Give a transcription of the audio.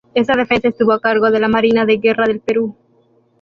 Esta defensa estuvo a cargo de la Marina de Guerra del Perú.